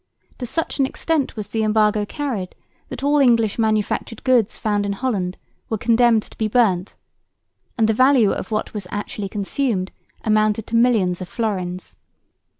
To such an extent was the embargo carried that all English manufactured goods found in Holland were condemned to be burnt; and the value of what was actually consumed amounted to millions of florins.